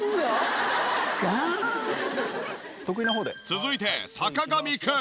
続いて坂上くん。